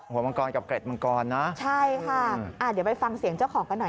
มังกรกับเกร็ดมังกรนะใช่ค่ะอ่าเดี๋ยวไปฟังเสียงเจ้าของกันหน่อย